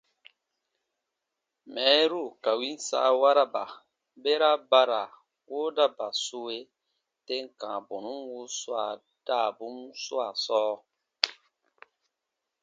Mɛɛru ka win saawaraba, bera ba ra woodaba sue tem kãa bɔnun wuswaa daabun swaa sɔɔ.